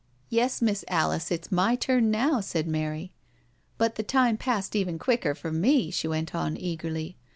Yes, Miss Alice, it's my turn now,'* said Mary. " But the time passed even quicker for me," she went on eagerly.